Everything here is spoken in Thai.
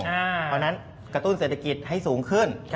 เพราะฉะนั้นกระตุ้นเศรษฐกิจให้สูงขึ้น